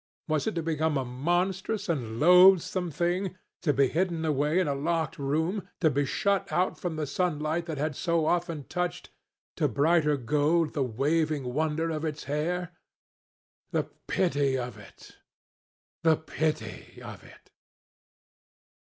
Was it to become a monstrous and loathsome thing, to be hidden away in a locked room, to be shut out from the sunlight that had so often touched to brighter gold the waving wonder of its hair? The pity of it! the pity of it!